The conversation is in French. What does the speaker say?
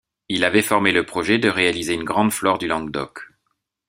Il avait formé le projet de réaliser une grande flore du Languedoc.